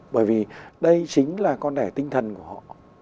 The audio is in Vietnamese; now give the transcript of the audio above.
bởi vì đây chính là con đẻ tinh thần của họ